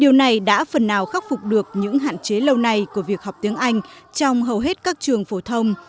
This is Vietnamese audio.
điều này đã phần nào khắc phục được những hạn chế lâu nay của việc học tiếng anh trong hầu hết các trường phổ thông